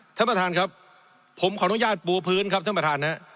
ท่านประธานครับผมขออนุญาตปูพื้นครับท่านประธานนะ